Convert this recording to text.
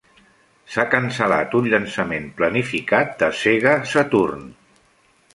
S'ha cancel·lat un llançament planificat de Sega Saturn.